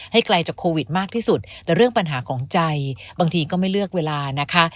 ไกลจากโควิดมากที่สุดแต่เรื่องปัญหาของใจบางทีก็ไม่เลือกเวลานะคะ